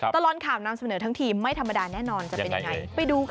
ตลอดข่าวนำเสนอทั้งทีมไม่ธรรมดาแน่นอนจะเป็นยังไงไปดูค่ะ